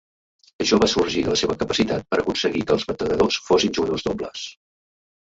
Això va sorgir de la seva capacitat per aconseguir que els bategadors fossin jugadors dobles.